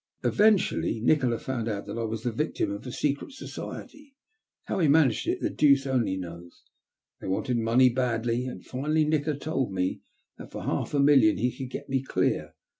Eventual found out that I was the victim of a secret How he managed it, the deuce only knows wanted money badly, and finally Nikola told for half a million he could get me clear.